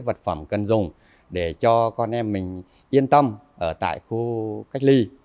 vật phẩm cần dùng để cho con em mình yên tâm ở tại khu cách ly